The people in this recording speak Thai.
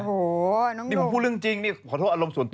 โอ้โหนี่ผมพูดเรื่องจริงนี่ขอโทษอารมณ์ส่วนตัว